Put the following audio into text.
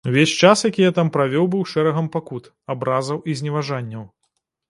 Увесь час, які я там правёў, быў шэрагам пакут, абразаў і зневажанняў.